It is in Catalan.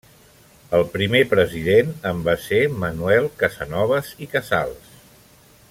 El primer president en va ser Manuel Casanoves i Casals.